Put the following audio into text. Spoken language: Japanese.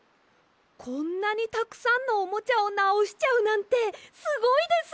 こんなにたくさんのおもちゃをなおしちゃうなんてすごいです！